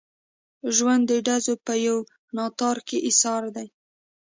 ژوند د ډزو په یو ناتار کې ایسار دی.